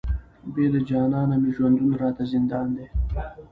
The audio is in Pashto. بې له جانانه مي ژوندون راته زندان دی،